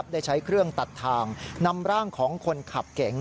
ได้ใช้เครื่องตัดทางนำร่างของคนขับเก๋ง